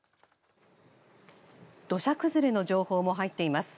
土砂崩れの情報も入っています。